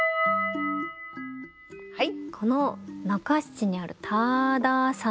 はい。